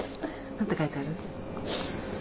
何て書いてある？